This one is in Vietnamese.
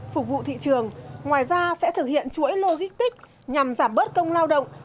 phục vụ thị trường ngoài ra sẽ thực hiện chuỗi lô gích tích nhằm giảm bớt công lao động